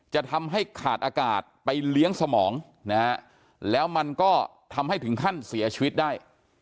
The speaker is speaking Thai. จะทำให้ขาดอากาศไปเลี้ยงสมองนะฮะแล้วมันก็ทำให้ถึงขั้นเสียชีวิตได้